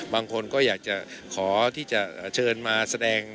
บางคนก็อยากจะขอที่จะเชิญมาแสดง